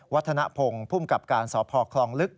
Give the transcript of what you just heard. วัฒนภงภูมิกับการสอบพอคลองลึก